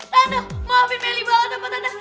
tante maafin meli banget tante